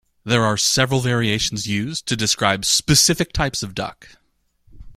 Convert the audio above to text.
There are several variations used to describe specific types of duck.